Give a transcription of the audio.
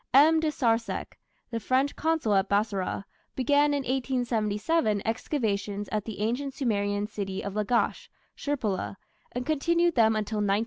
M. de Sarzec, the French consul at Bassorah, began in 1877 excavations at the ancient Sumerian city of Lagash (Shirpula), and continued them until 1900.